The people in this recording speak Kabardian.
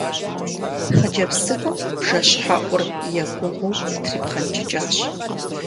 Хъыджэбз цӀыкӀум бжэщхьэӀур егугъуу трипхъэнкӀыкӀащ.